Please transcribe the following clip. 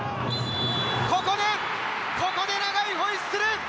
ここで長いホイッスル。